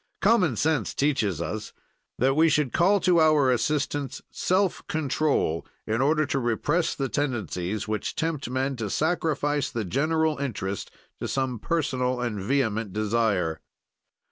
"Common sense teaches us that we should call to our assistance self control, in order to repress the tendencies which tempt men to sacrifice the general interest to some personal and vehement desire.